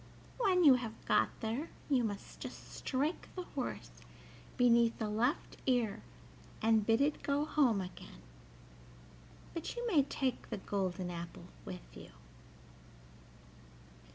When you have got there you must just strike the horse beneath the left ear and bid it go home again; but you may take the golden apple with you."